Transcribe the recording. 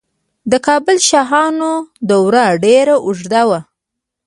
د کابل شاهانو دوره ډیره اوږده وه